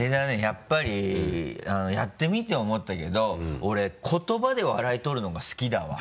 やっぱりやってみて思ったけど俺言葉で笑い取るのが好きだわ。